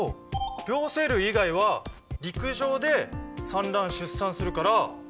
両生類以外は陸上で産卵・出産するから。